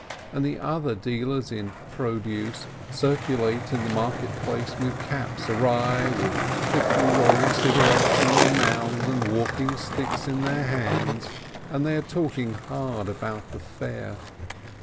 And the other dealers in produce circulate in the market place with caps awry, with thickly rolled cigarettes in their mouths and walking sticks in their hands, and they are talking hard about the fair.